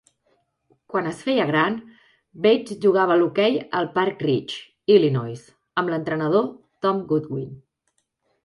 Quan es feia gran, Bates jugava a l'hoquei al Park Ridge, Illinois, amb l'entrenador Tom Godwin.